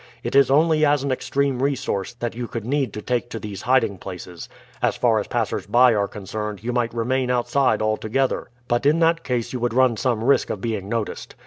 It is only as an extreme resource that you could need to take to these hiding places. As far as passers by are concerned you might remain outside altogether, but in that case you would run some risk of being noticed.